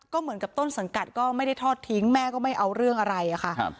ก็เหมือนกับต้นสังกัดก็ไม่ได้ทอดทิ้งแม่ก็ไม่เอาเรื่องอะไรอะค่ะ